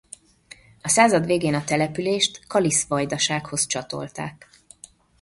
A század végén a települést Kalisz Vajdasághoz csatolták.